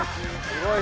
すっごい！